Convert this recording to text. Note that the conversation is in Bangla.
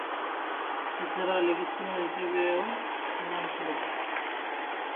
এছাড়াও লেগ স্পিনার হিসেবেও সুনাম ছিল তার।